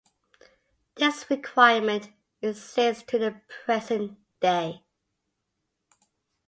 This requirement exists to the present day.